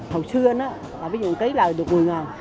hồi xưa ví dụ một cây là được một mươi ngàn